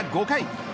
５回